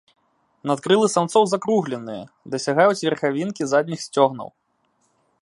Надкрылы самцоў закругленыя, дасягаюць верхавінкі задніх сцёгнаў.